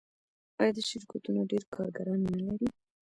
آیا دا شرکتونه ډیر کارګران نلري؟